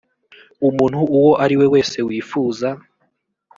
umuntu uwo ari we wese wifuza